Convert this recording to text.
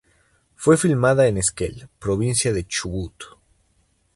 Fue filmada en Esquel, provincia de Chubut.